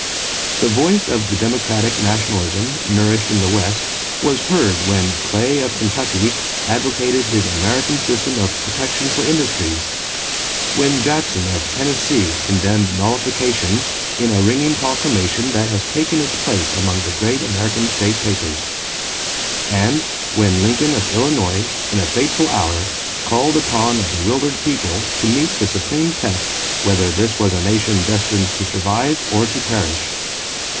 The voice of the democratic nationalism nourished in the West was heard when Clay of Kentucky advocated his American system of protection for industries; when Jackson of Tennessee condemned nullification in a ringing proclamation that has taken its place among the great American state papers; and when Lincoln of Illinois, in a fateful hour, called upon a bewildered people to meet the supreme test whether this was a nation destined to survive or to perish.